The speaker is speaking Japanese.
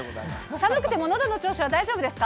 寒くてものどの調子は大丈夫ですか？